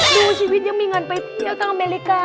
ดูชีวิตยังมีเงินไปเที่ยวที่อเมริกา